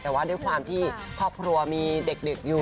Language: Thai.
แต่ว่าด้วยความที่ครอบครัวมีเด็กอยู่